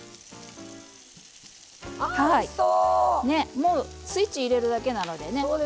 もうスイッチ入れるだけなのでね。